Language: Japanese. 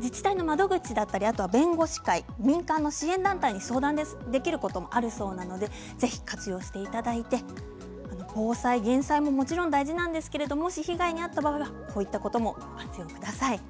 自治体の窓口だったり弁護士会民間の支援団体に相談できることもあるそうなのでぜひ活用していただいて防災減災ももちろん大事なんですけれどももし被害に遭った場合はこういったことも活用してください。